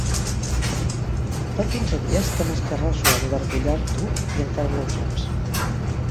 Fa quinze dies que m'escarrasso a engargullar-t'ho, i encara no ho saps.